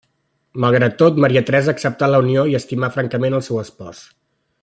Malgrat tot, Maria Teresa acceptà la unió i estimà francament al seu espòs.